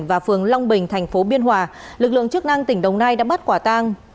và phường long bình tp biên hòa lực lượng chức năng tỉnh đồng nai đã bắt quả tang